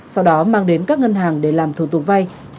sau đó mang đến các ngân hàng để làm thủ tục vay